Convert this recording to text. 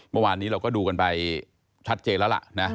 เมื่อวานนี้เราก็ดูกันไปชัดเจนแล้วล่ะนะ